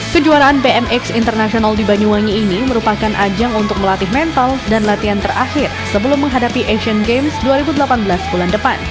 kejuaraan bmx international di banyuwangi ini merupakan ajang untuk melatih mental dan latihan terakhir sebelum menghadapi asian games dua ribu delapan belas bulan depan